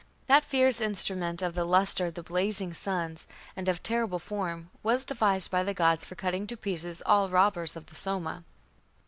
That fierce instrument, of the lustre of the blazing sun and of terrible form, was devised by the gods for cutting to pieces all robbers of the Soma."